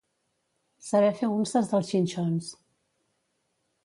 Saber fer unces dels xinxons.